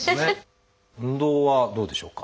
運動はどうでしょうか？